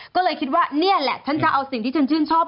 ก็เลยคิดว่านี่แหละฉันจะเอาสิ่งที่ฉันชื่นชอบ